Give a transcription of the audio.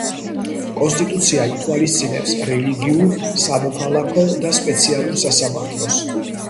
კონსტიტუცია ითვალისწინებს რელიგიურ, სამოქალაქო და სპეციალურ სასამართლოს.